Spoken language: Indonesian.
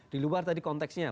di luar tadi konteksnya